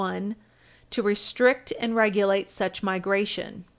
1, to restrict and regulate such migration."